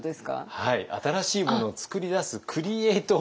はい新しいものをつくり出すクリエートを。